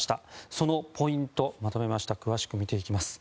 そのポイント、まとめました詳しく見ていきます。